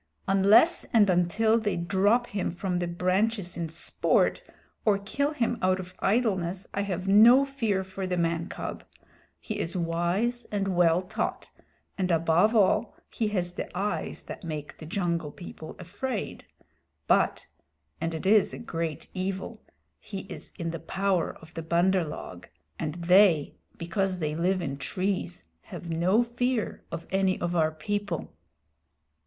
"Unless and until they drop him from the branches in sport, or kill him out of idleness, I have no fear for the man cub. He is wise and well taught, and above all he has the eyes that make the Jungle People afraid. But (and it is a great evil) he is in the power of the Bandar log, and they, because they live in trees, have no fear of any of our people."